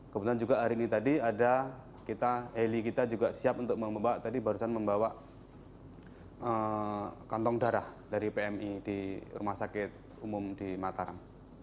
kemudian juga hari ini tadi ada heli kita juga siap untuk membawa tadi barusan membawa kantong darah dari pmi di rumah sakit umum di mataram